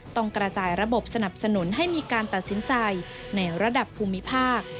ต้องกระจายระบบสนับสนุนให้มีการตัดสินใจในระดับภูมิภาค